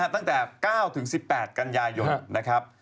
ตั้งแต่๙ถึง๑๘กันยายน